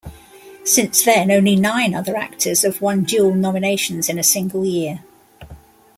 Since then, only nine other actors have won dual nominations in a single year.